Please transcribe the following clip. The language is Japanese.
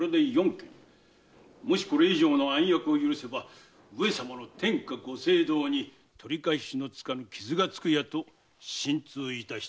もしこれ以上の暗躍を許せば上様の天下ご政道に取り返しのつかぬ傷がつくやと心痛いたしておりまする。